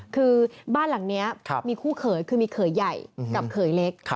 คือบ้านหลังนี้มีคู่เขยคือมีเขยใหญ่กับเขยเล็ก